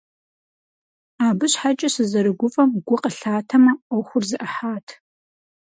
Абы щхьэкӀэ сызэрыгуфӀэм гу къылъатэмэ, Ӏуэхур зэӀыхьат.